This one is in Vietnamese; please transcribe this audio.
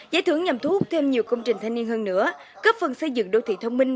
giải thưởng nhằm thu hút thêm nhiều công trình thanh niên hơn nữa cấp phần xây dựng đô thị thông minh